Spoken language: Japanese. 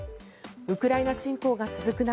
ウクライナ侵攻が続く中